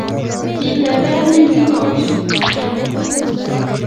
kitepee nekikochini